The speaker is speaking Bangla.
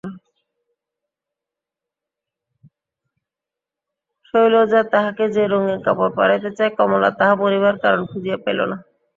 শৈলজা তাহাকে যে রঙিন কাপড় পরাইতে চায় কমলা তাহা পরিবার কারণ খুঁজিয়া পাইল না।